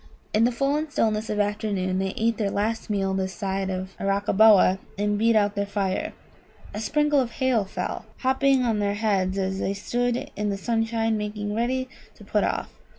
In the full and stillness of afternoon they ate their last meal this side of Arakkaboa, and beat out their fire. A sprinkle of hail fell, hopping on their heads as they stood in the sunshine making ready to put off.